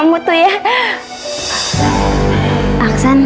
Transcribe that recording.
aku pengsan berapa berapa biar lo gendong tadi